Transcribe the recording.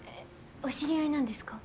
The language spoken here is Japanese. お知り合いなんですか？